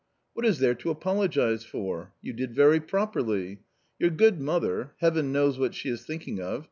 —" What is there to apologise for ? You did very properly. Your good mother — heaven knows what she is thinking of.